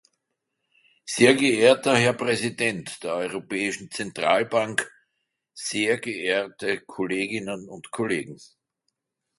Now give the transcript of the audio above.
Sehr geehrter Herr Präsident der Europäischen Zentralbank, sehr geehrte Kolleginnen und Kollegen!